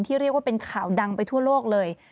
เรียกว่าเป็นข่าวดังไปทั่วโลกเลย